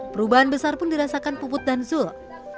perubahan besar pun dirasakan puput dan zul